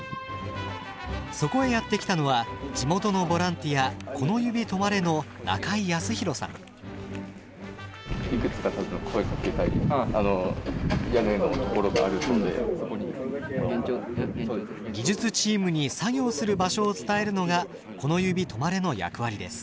そこへやって来たのは地元のボランティア技術チームに作業する場所を伝えるのが「このゆびとまれ」の役割です。